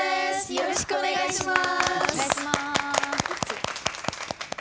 よろしくお願いします。